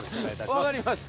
分かりました。